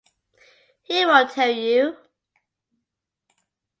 He won't tell you.